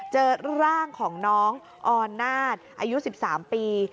เจอร่างของน้องออนาศอายุ๑๓ปี